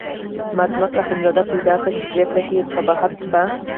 مامدک اخندزاده پیدا کړه چې پرېکړه کې قباحت شته.